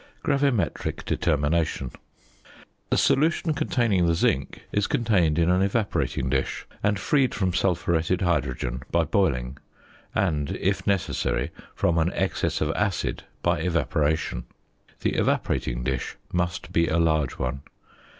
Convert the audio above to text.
GRAVIMETRIC DETERMINATION. The solution containing the zinc is contained in an evaporating dish, and freed from sulphuretted hydrogen by boiling, and, if necessary, from an excess of acid by evaporation. The evaporating dish must be a large one.